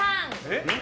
えっ？